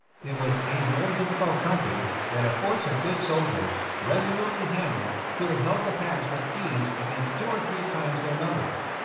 It was a very difficult country, and a force of good soldiers resolutely handled could have held the pass with ease against two or three times their number.